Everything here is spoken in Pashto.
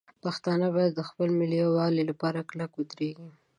پښتانه باید د خپل ملي یووالي لپاره کلک ودرېږي.